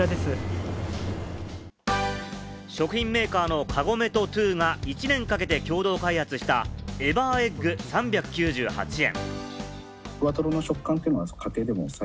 食品メーカーのカゴメとＴＷＯが１年かけて共同開発したＥｖｅｒＥｇｇ、３９８円。